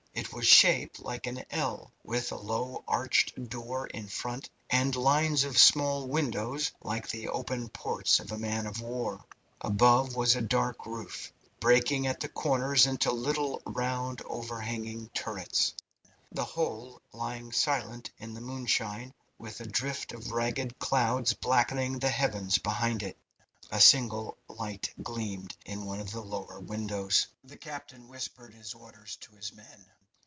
It was shaped like an L, with a low arched door in front, and lines of small windows like the open ports of a man of war. Above was a dark roof, breaking at the corners into little round overhanging turrets, the whole lying silent in the moonshine, with a drift of ragged clouds blackening the heavens behind it. A single light gleamed in one of the lower windows. The captain whispered his orders to his men.